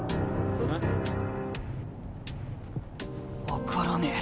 分からねえ。